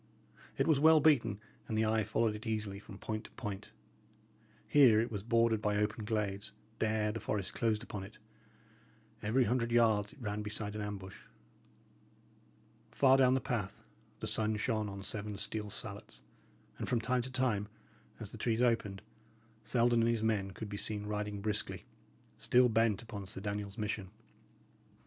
It was well beaten, and the eye followed it easily from point to point. Here it was bordered by open glades; there the forest closed upon it; every hundred yards it ran beside an ambush. Far down the path, the sun shone on seven steel salets, and from time to time, as the trees opened, Selden and his men could be seen riding briskly, still bent upon Sir Daniel's mission.